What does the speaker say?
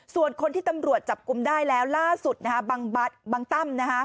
ส่วนคนที่ตำรวจจับกลุ่มได้แล้วล่าสุดบางตั้ม